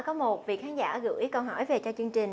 có một vị khán giả gửi câu hỏi về cho chương trình